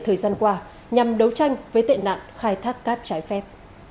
thời gian qua nhằm đấu tranh với tệ nạn khai thác cát trái phép